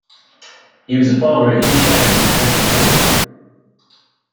He was a farmer in Innishannon, County Cork.